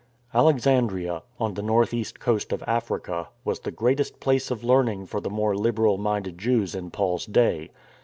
Alexandria, on the north east coast of Africa, was the greatest place of learning for the more liberal minded Jews in Paul's day.